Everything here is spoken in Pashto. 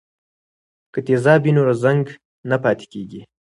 که تیزاب وي نو زنګ نه پاتې کیږي.